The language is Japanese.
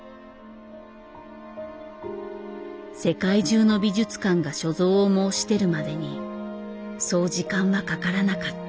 世界中の美術館が所蔵を申し出るまでにそう時間はかからなかった。